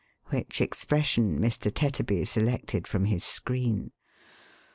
— which expression Mr. Tetterby selected from his screen.